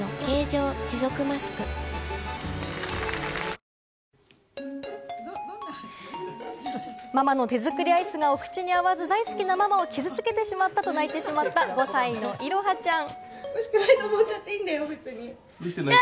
おいしさプラスママの手作りアイスがお口に合わず、大好きなママを傷付けてしまったと泣いてしまった５歳の彩羽ちゃん。